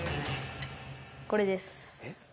これです。